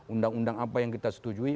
undang undang apa yang kita setujui